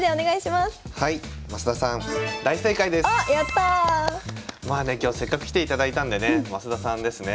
まあね今日せっかく来ていただいたんでね増田さんですね。